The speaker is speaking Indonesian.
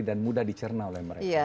dan mudah dicerna oleh mereka